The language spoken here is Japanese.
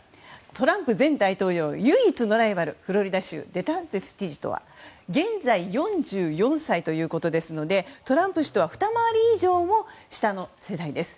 トランプ前大統領唯一のライバルフロリダ州デサンティス州知事とは現在４４歳ということですのでトランプ氏とはふた回り以上も下の世代です。